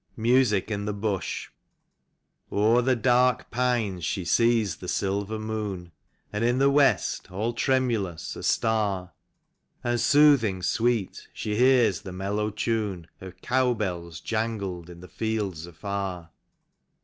49 MUSIC m THE BUSH. O'er the dark pines she sees the silver moon, And in the west, all tremulous, a star; And soothing sweet she hears the mellow tune Of cow bells jangled in the fields afar.